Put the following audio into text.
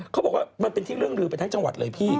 เขาบอกว่ามันเป็นที่เรื่องลือไปทั้งจังหวัดเลยพี่